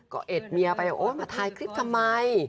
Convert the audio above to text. ก็เอ็ดเมียไปโอ๊ยมาถ่ายคลิปทำไม